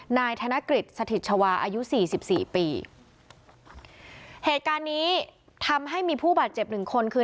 นายธนกฤษสถิตชาวาอายุสี่สิบสี่ปีเหตุการณ์นี้ทำให้มีผู้บาดเจ็บหนึ่งคนคือ